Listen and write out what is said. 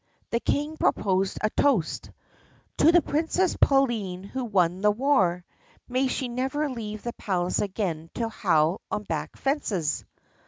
The King proposed a toast: "To the Princess Pauline who won the war! May she never leave the palace again to howl on back fences!"